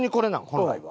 本来は。